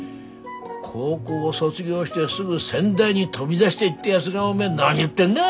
高校を卒業してすぐ仙台に飛び出していったやづがおめえ何言ってんだよ。